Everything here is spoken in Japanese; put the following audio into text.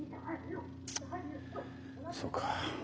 そうか。